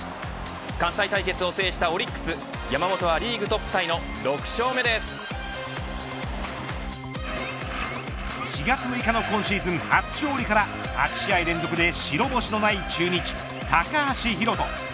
関西対決を制したオリックス山本はリーグトップタイの４月６日の今シーズン初勝利から８試合連続で白星のない中日、高橋宏斗。